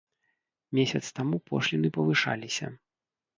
Месяц таму пошліны павышаліся.